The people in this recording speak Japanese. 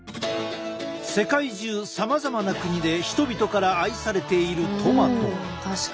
世界中さまざまな国で人々から愛されているトマト。